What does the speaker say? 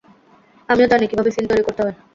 আমিও জানি কীভাবে সিন তৈরি করতে হয়।